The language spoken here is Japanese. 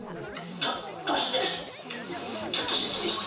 ちょっと失礼して。